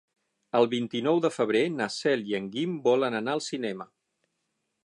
El vint-i-nou de febrer na Cel i en Guim volen anar al cinema.